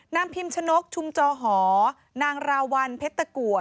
พิมชนกชุมจอหอนางราวัลเพชรตะกัว